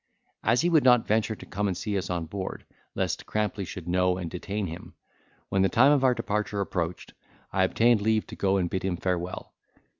As he would not venture to come and see us on board, lest Cramplay should know and detain him; when the time of our departure approached, I obtained leave to go and bid him farewell.